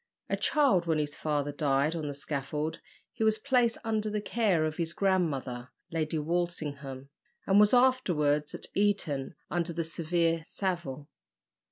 A child when his father died on the scaffold, he was placed under the care of his grandmother, Lady Walsingham, and was afterwards at Eton under the severe Saville.